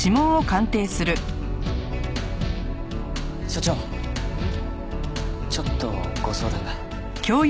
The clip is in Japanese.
所長ちょっとご相談が。